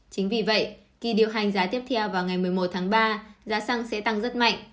chính vì vậy kỳ điều hành giá tiếp theo vào ngày một mươi một tháng ba giá xăng sẽ tăng rất mạnh